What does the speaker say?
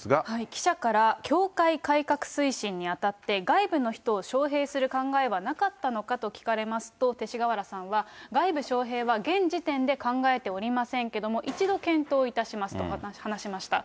記者から教会改革推進にあたって外部の人を招へいする考えはなかったのかと聞かれますと、勅使河原さんは、外部招へいは現時点で考えておりませんけれども、一度検討いたしますと話しました。